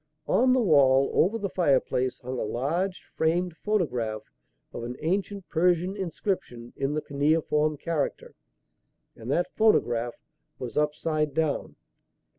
On the wall over the fire place hung a large framed photograph of an ancient Persian inscription in the cuneiform character; and that photograph was upside down."